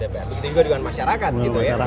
begitu juga dengan masyarakat